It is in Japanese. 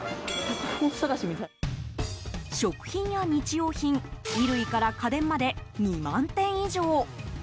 食品や日用品衣類から家電まで２万点以上。